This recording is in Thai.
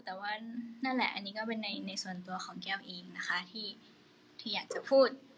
แต่ว่านั่นแหละอันนี้ก็เป็นในส่วนตัวของแก้วเองนะคะที่อยากจะพูด